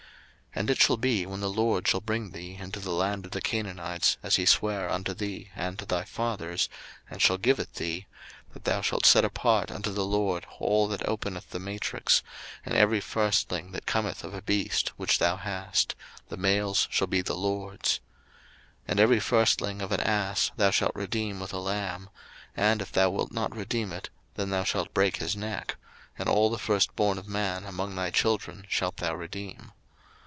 02:013:011 And it shall be when the LORD shall bring thee into the land of the Canaanites, as he sware unto thee and to thy fathers, and shall give it thee, 02:013:012 That thou shalt set apart unto the LORD all that openeth the matrix, and every firstling that cometh of a beast which thou hast; the males shall be the LORD's. 02:013:013 And every firstling of an ass thou shalt redeem with a lamb; and if thou wilt not redeem it, then thou shalt break his neck: and all the firstborn of man among thy children shalt thou redeem.